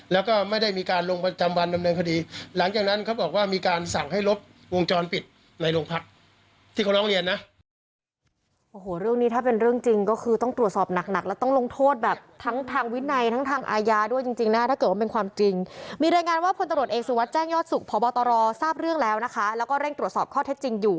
แล้วก็ไม่ได้มีการลงประจำงวันดำเนินคดีหลังจากนั้นเขาบอกว่า